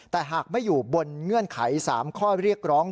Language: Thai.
แต่หากไม่อยู่บนเงื่อนไข๓ข้อเรียกร้อง